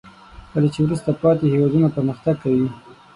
کله چې وروسته پاتې هیوادونه پرمختګ کوي.